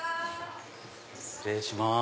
失礼します。